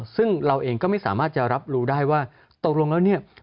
ซึ่งเราเองก็ไม่สามารถจะรับรู้ได้ว่าตกลงแล้วเนี่ย